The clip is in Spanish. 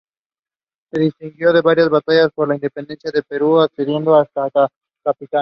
Se distinguió en varias batallas por la independencia del Perú, ascendiendo hasta capitán.